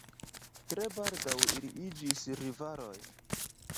Tre baldaŭ ili iĝis rivaloj.